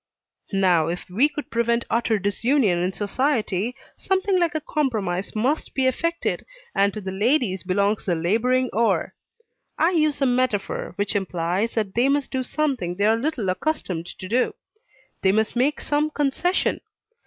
Now, if we would prevent utter disunion in society, something like a compromise must be effected, and to the ladies belongs the laboring oar. I use a metaphor which implies that they must do something they are little accustomed to do; they must make some concession.